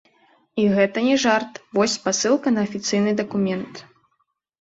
І гэта не жарт, вось спасылка на афіцыйны дакумент.